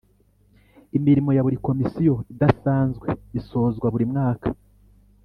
Imirimo ya buri Komisiyo idasanzwe isozwa burimwaka.